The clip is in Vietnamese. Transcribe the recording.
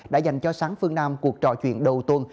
đã dành cho sáng phương nam cuộc trò chuyện đầu tuần